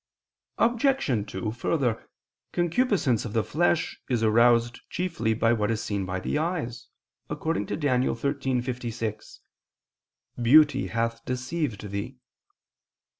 Obj. 2: Further, concupiscence of the flesh is aroused chiefly by what is seen by the eyes, according to Dan. 13:56: "Beauty hath deceived thee."